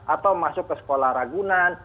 atau masuk ke sekolah ragunan